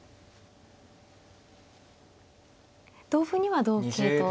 同歩には同桂と。